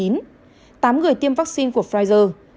tám người tiêm vaccine của pfizer